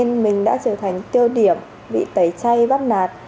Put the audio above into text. nhưng mình đã trở thành tiêu điểm bị tẩy chay bắt nạt